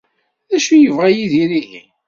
D acu i yebɣa Yidir ihi?